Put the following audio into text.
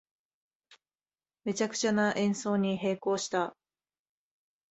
めちゃくちゃな演奏に閉口した